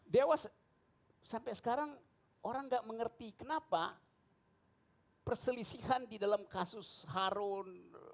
dewas sampai sekarang orang nggak mengerti kenapa perselisihan di dalam kasus harun